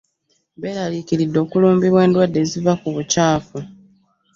Beralikiridde okulumbibwa endwadde eziva ku bucaafu.